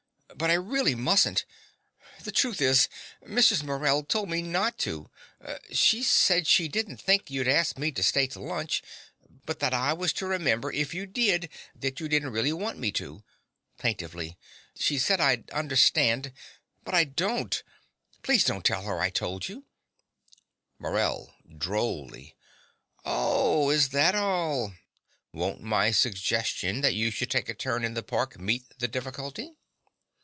But I really mustn't. The truth is, Mrs. Morell told me not to. She said she didn't think you'd ask me to stay to lunch, but that I was to remember, if you did, that you didn't really want me to. (Plaintively.) She said I'd understand; but I don't. Please don't tell her I told you. MORELL (drolly). Oh, is that all? Won't my suggestion that you should take a turn in the park meet the difficulty?